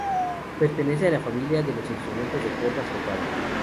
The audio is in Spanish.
Pertenece a la familia de los instrumentos de cuerda frotada.